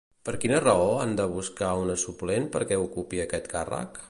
Per quina raó han de buscar una suplent perquè ocupi aquest càrrec?